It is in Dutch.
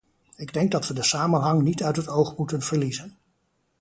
Ik denk dat we de samenhang niet uit het oog moeten verliezen.